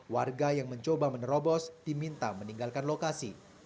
warga yang mencoba menerobos diminta meninggalkan lokasi